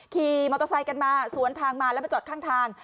ขี่มอเตอร์ไซค์กันมาสวนทางมาแล้วมาจอดข้างทาง